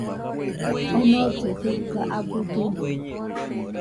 Onollɨ dɨga abɨ duño